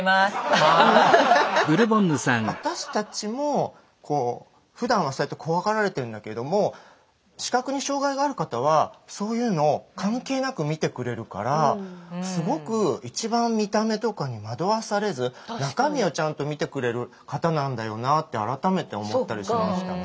私たちもふだんはそうやって怖がられてるんだけれども視覚に障害がある方はそういうの関係なく見てくれるからすごく一番見た目とかに惑わされず中身をちゃんと見てくれる方なんだよなって改めて思ったりしましたね。